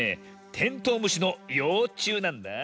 テントウムシのようちゅうなんだあ。